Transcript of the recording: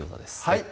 はい